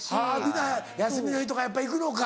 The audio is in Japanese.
皆休みの日とかやっぱ行くのか。